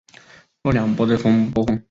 若两波的波峰。